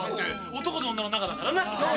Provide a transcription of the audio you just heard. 男と女の仲だからな。